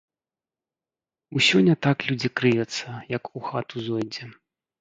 Усё не так людзі крывяцца, як у хату зойдзе.